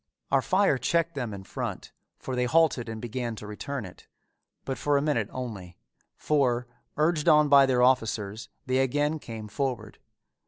Our fire checked them in front, for they halted and began to return it, but for a minute only, for, urged on by their officers they again came forward.